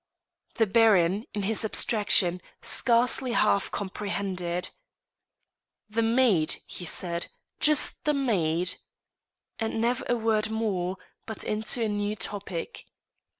The Baron, in his abstraction, scarcely half comprehended. "The maid," he said, "just the maid!" and never a word more, but into a new topic.